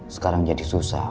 sekarang jadi susah